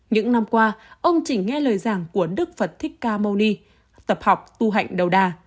những năm qua ông chỉ nghe lời giảng của đức phật thích ca moni tập học tu hạnh đầu đà